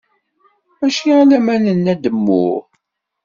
Mačči alamma nenna-d mmuy!